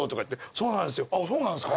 「そうなんですか？」